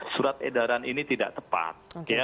surat edaran ini tidak tepat